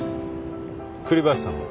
栗林さんも。